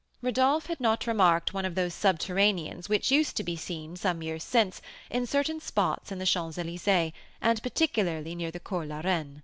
Rodolph had not remarked one of those subterraneans which used to be seen, some years since, in certain spots in the Champs Elysées, and particularly near the Cours la Reine.